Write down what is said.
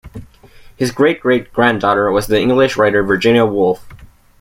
His great-great-granddaughter was the English writer Virginia Woolf.